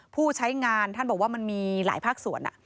ผู้ใช้งานท่านบอกว่ามันมีหลายภาคส่วน